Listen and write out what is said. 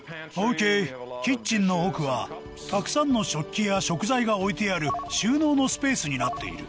キッチンの奥はたくさんの食器や食材が置いてある収納のスペースになっている。